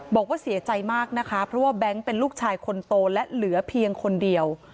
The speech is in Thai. บอกว่าเสียใจมากนะคะเพราะว่าแบงค์เป็นลูกชายคนโตและเหลือเพียงคนเดียว